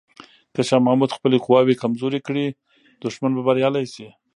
که شاه محمود خپلې قواوې کمزوري کړي، دښمن به بریالی شي.